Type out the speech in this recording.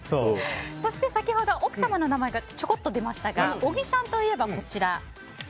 そして先ほど奥様の名前がちょこっと出ましたが小木さんといえばこちら。